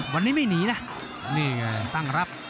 วันนี้ไม่หนีนะนี่ไงตั้งรับ